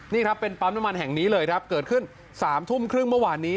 นี่ครับเป็นปั๊มน้ำมันแห่งนี้เลยครับเกิดขึ้น๓ทุ่มครึ่งเมื่อวานนี้